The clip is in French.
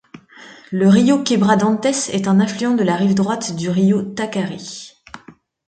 Le rio Quebra-Dentes est un affluent de la rive droite du rio Taquari.